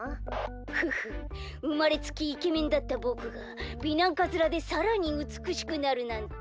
ふふうまれつきイケメンだったぼくが美男カズラでさらにうつくしくなるなんて。